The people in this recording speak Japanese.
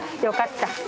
よかった。